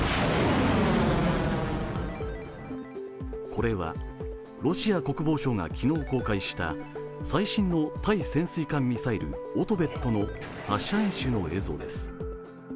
これはロシア国防省が昨日公開した最新の対潜水艦ミサイルオトベットの発射演習の映像です。